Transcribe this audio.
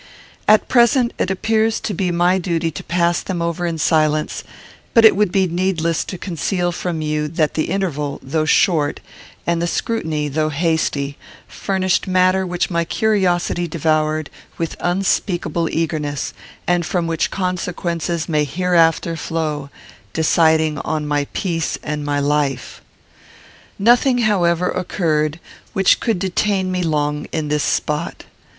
At present, it appears to be my duty to pass them over in silence; but it would be needless to conceal from you that the interval, though short, and the scrutiny, though hasty, furnished matter which my curiosity devoured with unspeakable eagerness, and from which consequences may hereafter flow, deciding on my peace and my life. Nothing, however, occurred which could detain me long in this spot.